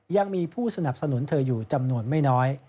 ยังมีผู้สนับสนุนเธออยู่จำนวนไม่น้อย